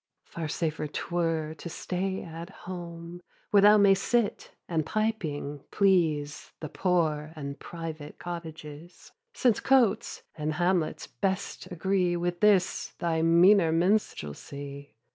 Far safer 'twere to stay at home; Where thou mayst sit, and piping, please The poor and private cottages. Since cotes and hamlets best agree With this thy meaner minstrelsy.